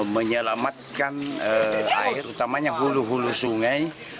menyelamatkan air utamanya hulu hulu sungai